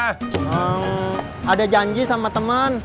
ehm ada janji sama temen